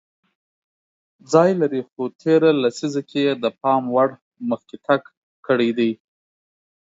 ځای لري خو تېره لیسزه کې یې د پام وړ مخکې تګ کړی دی